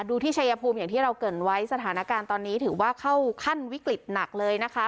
ที่ชายภูมิอย่างที่เราเกิดไว้สถานการณ์ตอนนี้ถือว่าเข้าขั้นวิกฤตหนักเลยนะคะ